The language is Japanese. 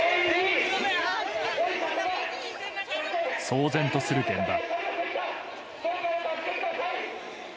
騒然とする現場。